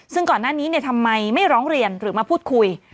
ซึ่งก่อนหน้านี้ทำไมไม่ร้องเรียนหรือมาพูดคุย